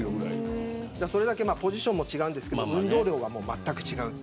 それだけポジションも違うんですが運動量がまったく違う。